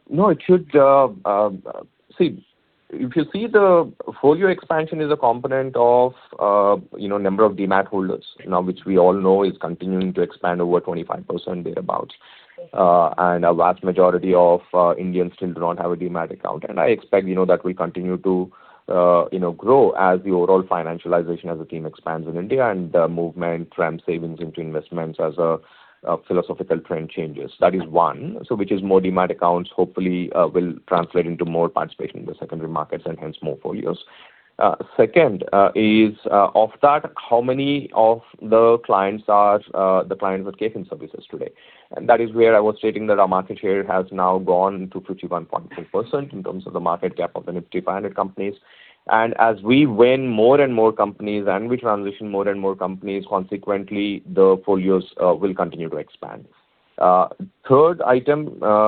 No, it should. See, if you see the folio expansion is a component of, you know, number of Demat holders. Now, which we all know is continuing to expand over 25%, thereabout. And a vast majority of Indians still do not have a Demat account. And I expect, you know, that we continue to, you know, grow as the overall financialization as a team expands in India, and the movement from savings into investments as a, a philosophical trend changes. That is one. So which is more Demat accounts, hopefully, will translate into more participation in the secondary markets and hence more folios. Second, is, of that, how many of the clients are, the clients with record-keeping services today? That is where I was stating that our market share has now gone to 51.2% in terms of the market cap of the Nifty 500 companies. As we win more and more companies and we transition more and more companies, consequently, the folios will continue to expand. Third item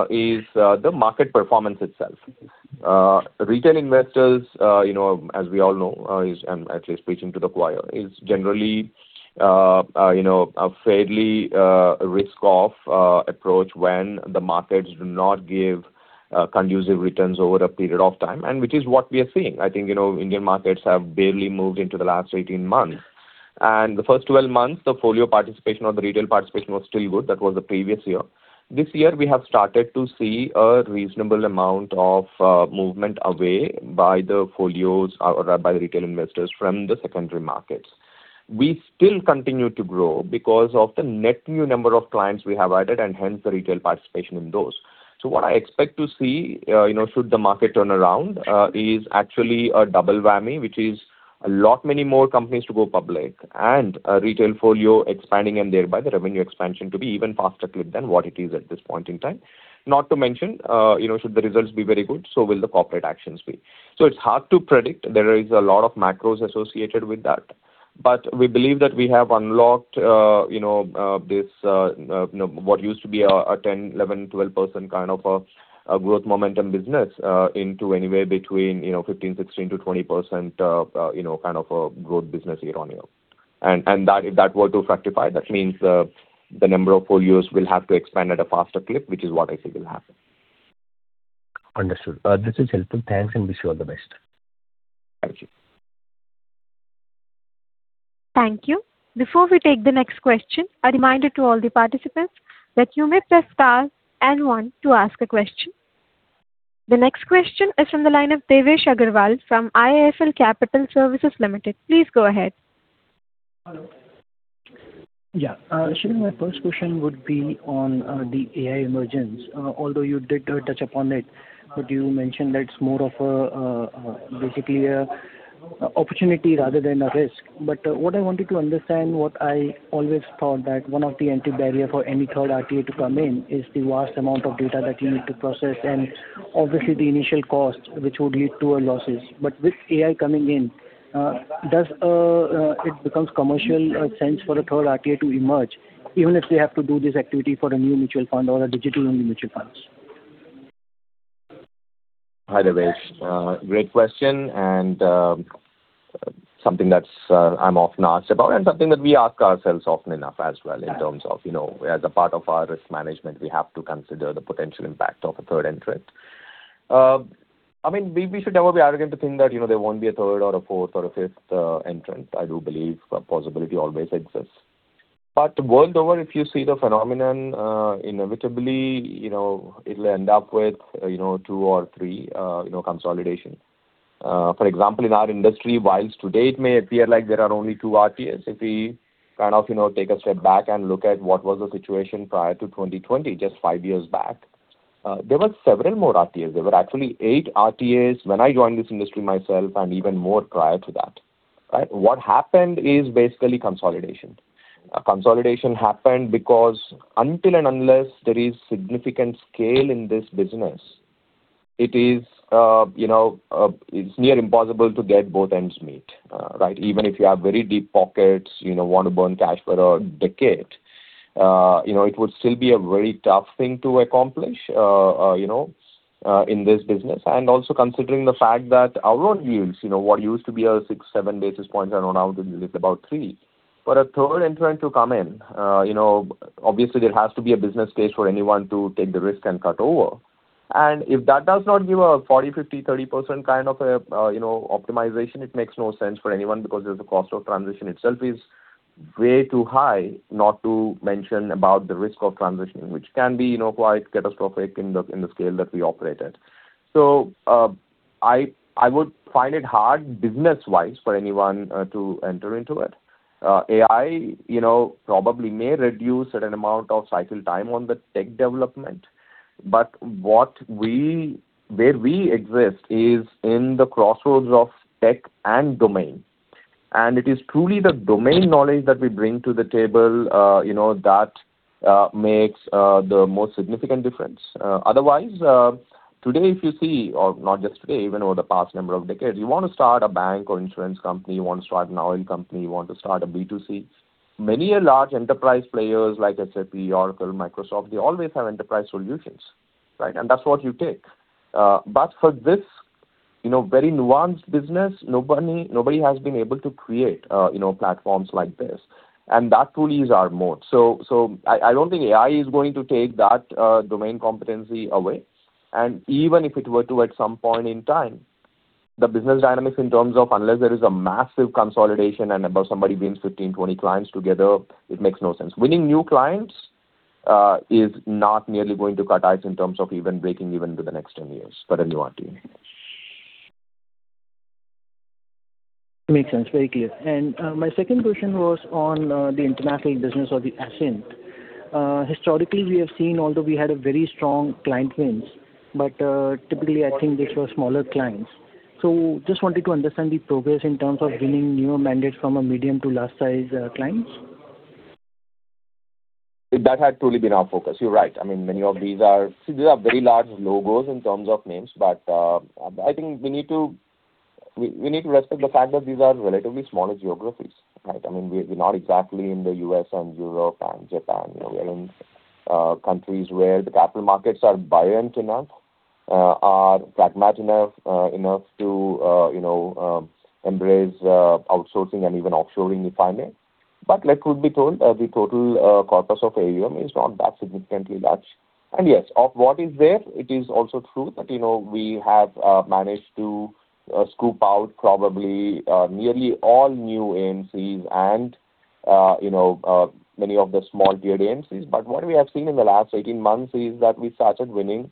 is the market performance itself. Retail investors, you know, as we all know, is, I'm actually speaking to the choir, is generally a fairly risk-off approach when the markets do not give conducive returns over a period of time, and which is what we are seeing. I think, you know, Indian markets have barely moved in the last 18 months, and the first 12 months, the folio participation or the retail participation was still good. That was the previous year. This year, we have started to see a reasonable amount of movement away by the folios or by the retail investors from the secondary markets. We still continue to grow because of the net new number of clients we have added, and hence the retail participation in those. So what I expect to see, you know, should the market turn around, is actually a double whammy, which is a lot many more companies to go public and a retail folio expanding, and thereby the revenue expansion to be even faster clip than what it is at this point in time. Not to mention, you know, should the results be very good, so will the corporate actions be. So it's hard to predict. There is a lot of macros associated with that, but we believe that we have unlocked, you know, this, you know, what used to be a 10%, 11%, 12% kind of a growth momentum business, into anywhere between, you know, 15%, 16% to 20%, you know, kind of a growth business year-on-year. And that, if that were to fructify, that means the number of folios will have to expand at a faster clip, which is what I think will happen.
Understood. This is helpful. Thanks, and wish you all the best.
Thank you.
Thank you. Before we take the next question, a reminder to all the participants that you may press star and one to ask a question. The next question is from the line of Devesh Agarwal from IIFL Capital Services Limited. Please go ahead.
Hello. Yeah, Sreekanth, my first question would be on the AI emergence. Although you did touch upon it, but you mentioned that it's more of a basically an opportunity rather than a risk. But what I wanted to understand, what I always thought that one of the entry barrier for any third RTA to come in is the vast amount of data that you need to process and obviously the initial cost, which would lead to losses. But with AI coming in, does it make commercial sense for a third RTA to emerge, even if they have to do this activity for a new mutual fund or a digital-only mutual funds?
Hi, Devesh. Great question, and something that's I'm often asked about and something that we ask ourselves often enough as well in terms of, you know, as a part of our risk management, we have to consider the potential impact of a third entrant. I mean, we, we should never be arrogant to think that, you know, there won't be a third or a fourth or a fifth, entrant. I do believe a possibility always exists. But world over, if you see the phenomenon, inevitably, you know, it'll end up with, you know, two or three, you know, consolidation. For example, in our industry, while today it may appear like there are only two RTAs, if we kind of, you know, take a step back and look at what was the situation prior to 2020, just five years back, there were several more RTAs. There were actually eight RTAs when I joined this industry myself, and even more prior to that, right? What happened is basically consolidation. Consolidation happened because until and unless there is significant scale in this business, it is, you know, it's near impossible to get both ends meet, right? Even if you have very deep pockets, you know, want to burn cash for a decade, you know, it would still be a very tough thing to accomplish, you know, in this business. Also considering the fact that our own yields, you know, what used to be 6-7 basis points are now about 3 basis points. For a third entrant to come in, you know, obviously there has to be a business case for anyone to take the risk and cut over. And if that does not give a 40%, 50%, 30% kind of a, you know, optimization, it makes no sense for anyone because the cost of transition itself is way too high, not to mention about the risk of transitioning, which can be, you know, quite catastrophic in the scale that we operate at. So, I would find it hard business-wise for anyone to enter into it. AI, you know, probably may reduce certain amount of cycle time on the tech development, but where we exist is in the crossroads of tech and domain, and it is truly the domain knowledge that we bring to the table, you know, that makes the most significant difference. Otherwise, today, if you see, or not just today, even over the past number of decades, you want to start a bank or insurance company, you want to start an oil company, you want to start a B2C. Many a large enterprise players like SAP, Oracle, Microsoft, they always have enterprise solutions, right? And that's what you take. But for this, you know, very nuanced business, nobody, nobody has been able to create, you know, platforms like this, and that truly is our moat. I don't think AI is going to take that domain competency away. Even if it were to, at some point in time, the business dynamics in terms of unless there is a massive consolidation and about somebody brings 15, 20 clients together, it makes no sense. Winning new clients is not nearly going to cut ice in terms of even breaking even with the next 10 years for a new RTA.
Makes sense. Very clear. And, my second question was on the international business or the Ascent. Historically, we have seen, although we had a very strong client wins, but typically, I think these were smaller clients. So just wanted to understand the progress in terms of winning new mandates from a medium to large size clients.
That had truly been our focus. You're right. I mean, many of these are. These are very large logos in terms of names, but I think we need to, we need to respect the fact that these are relatively smaller geographies, right? I mean, we're not exactly in the U.S. and Europe and Japan. You know, we are in countries where the capital markets are buoyant enough, are pragmatic enough, enough to you know, embrace outsourcing and even offshoring, if I may. But let truth be told, the total corpus of AUM is not that significantly large. And yes, of what is there, it is also true that, you know, we have managed to scoop out probably nearly all new AMCs and, you know, many of the small-tiered AMCs. But what we have seen in the last 18 months is that we started winning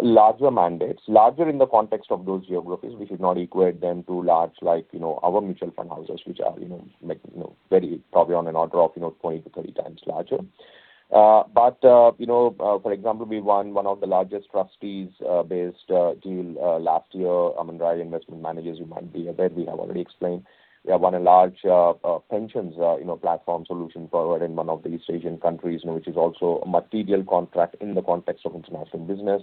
larger mandates. Larger in the context of those geographies. We should not equate them to large, like, you know, our mutual fund houses, which are, you know, like, you know, very probably on an order of, you know, 20x-30x larger. But, you know, for example, we won one of the largest trustees based deal last year. I mean, REIT investment managers, you might be aware, we have already explained. We have won a large pensions, you know, platform solution for one of the East Asian countries, and which is also a material contract in the context of international business.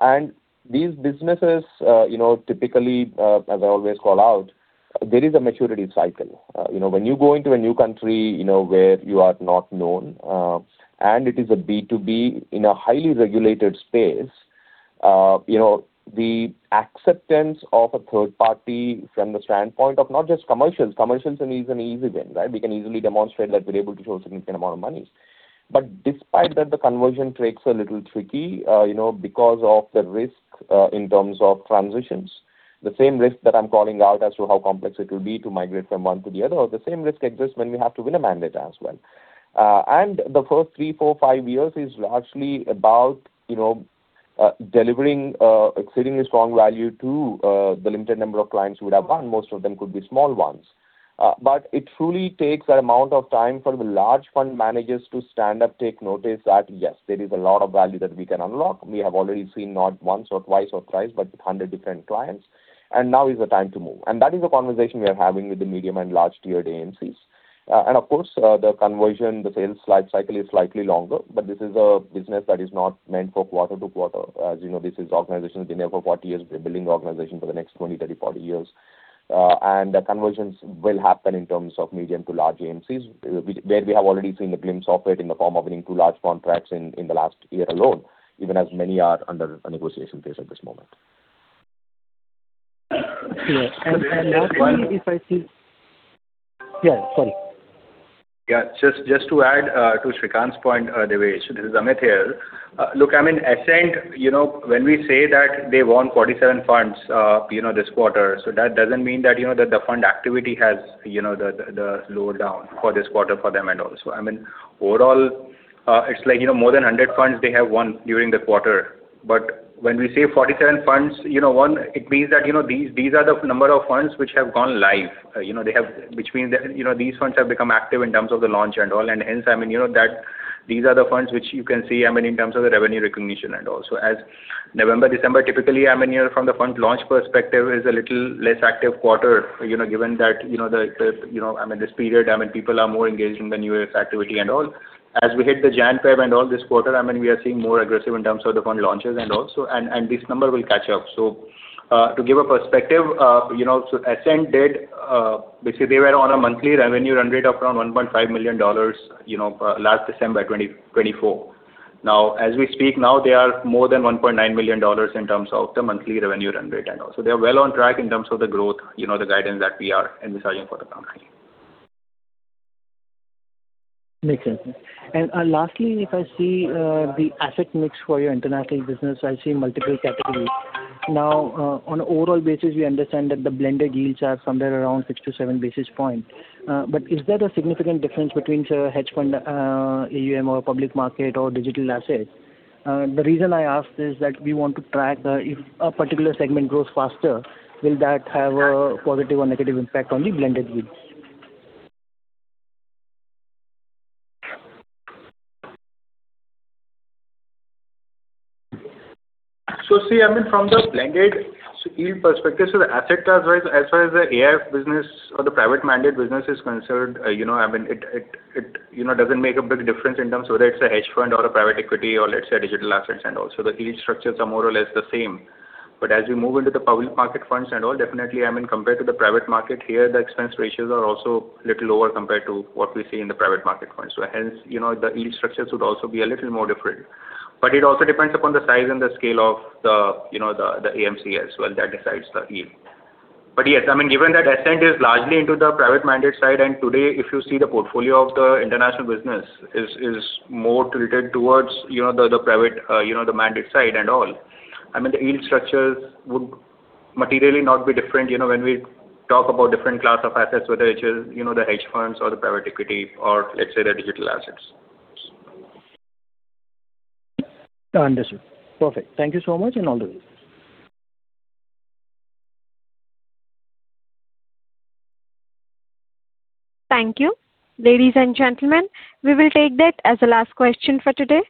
And these businesses, you know, typically, as I always call out, there is a maturity cycle. You know, when you go into a new country, you know, where you are not known, and it is a B2B in a highly regulated space, you know, the acceptance of a third party from the standpoint of not just commercials. Commercials is an easy win, right? We can easily demonstrate that we're able to show a significant amount of money. But despite that, the conversion takes a little tricky, you know, because of the risk, in terms of transitions. The same risk that I'm calling out as to how complex it will be to migrate from one to the other, or the same risk exists when we have to win a mandate as well. And the first three, four, five years is largely about, you know, delivering, exceedingly strong value to, the limited number of clients who would have won. Most of them could be small ones. But it truly takes that amount of time for the large fund managers to stand up, take notice that, yes, there is a lot of value that we can unlock. We have already seen not once or twice or thrice, but with 100 different clients, and now is the time to move. And that is a conversation we are having with the medium and large-tiered AMCs. And of course, the conversion, the sales life cycle is slightly longer, but this is a business that is not meant for quarter to quarter. As you know, this is organization been there for 40 years. We're building the organization for the next 20, 30, 40 years. And the conversions will happen in terms of medium to large AMCs, where we have already seen a glimpse of it in the form of winning two large contracts in the last year alone, even as many are under a negotiation phase at this moment.
Yeah. And lastly, if I see. Yeah, sorry.
Yeah, just to add to Sreekanth's point, Devesh, this is Amit here. Look, I mean, Ascent, you know, when we say that they want 47 funds this quarter, so that doesn't mean that the fund activity has lowered down for this quarter for them at all. So, I mean, overall, it's like more than 100 funds they have won during the quarter. But when we say 47 funds, you know, one, it means that these are the number of funds which have gone live. You know, they have, which means that these funds have become active in terms of the launch and all. And hence, I mean, you know, that these are the funds which you can see, I mean, in terms of the revenue recognition and all. So as November, December, typically, I mean, you know, from the fund launch perspective, is a little less active quarter. You know, given that, you know, I mean, this period, I mean, people are more engaged in the New Year's activity and all. As we hit the January, February, and all this quarter, I mean, we are seeing more aggressive in terms of the fund launches and also, and this number will catch up. So, to give a perspective, you know, so Ascent did, basically, they were on a monthly revenue run rate of around $1.5 million, you know, last December 2024. Now, as we speak now, they are more than $1.9 million in terms of the monthly revenue run rate and all. They are well on track in terms of the growth, you know, the guidance that we are envisaging for the company.
Makes sense. Lastly, if I see the asset mix for your international business, I see multiple categories. Now, on an overall basis, we understand that the blended yields are somewhere around 6-7 basis points. But is there a significant difference between, say, a hedge fund AUM or public market or digital assets? The reason I ask is that we want to track if a particular segment grows faster, will that have a positive or negative impact on the blended yields?
So see, I mean, from the blended yield perspective, so the asset class, as far as the AIF business or the private mandate business is concerned, you know, I mean, it doesn't make a big difference in terms of whether it's a hedge fund or a private equity or let's say, a digital assets and all. So the yield structures are more or less the same. But as we move into the public market funds and all, definitely, I mean, compared to the private market here, the expense ratios are also a little lower compared to what we see in the private market funds. So hence, you know, the yield structures would also be a little more different. But it also depends upon the size and the scale of the, you know, the AMC as well, that decides the yield. But yes, I mean, given that Ascent is largely into the private mandate side, and today, if you see the portfolio of the international business is more tilted towards, you know, the private, you know, the mandate side and all. I mean, the yield structures would materially not be different, you know, when we talk about different class of assets, whether it is, you know, the hedge funds or the private equity or let's say, the digital assets.
Understood. Perfect. Thank you so much and all the best.
Thank you. Ladies and gentlemen, we will take that as the last question for today.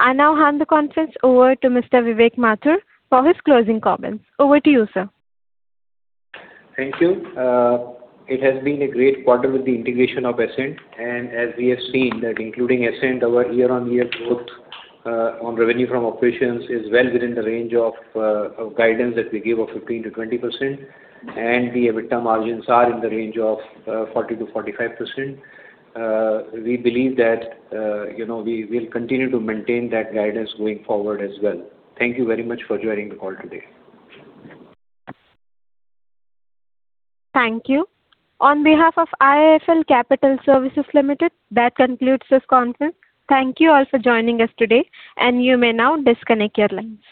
I now hand the conference over to Mr. Vivek Mathur for his closing comments. Over to you, sir.
Thank you. It has been a great quarter with the integration of Ascent, and as we have seen, that including Ascent, our year-on-year growth on revenue from operations is well within the range of of guidance that we gave of 15%-20%, and the EBITDA margins are in the range of 40%-45%. We believe that, you know, we will continue to maintain that guidance going forward as well. Thank you very much for joining the call today.
Thank you. On behalf of IIFL Capital Services Limited, that concludes this conference. Thank you all for joining us today, and you may now disconnect your lines.